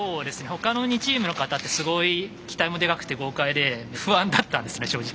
他の２チームの方ってすごい機体もでかくて豪快で不安だったんですね正直。